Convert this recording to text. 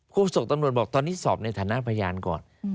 โศกตำรวจบอกตอนนี้สอบในฐานะพยานก่อน